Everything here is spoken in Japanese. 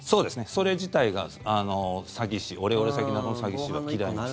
それ自体が、詐欺師オレオレ詐欺などの詐欺師は嫌います。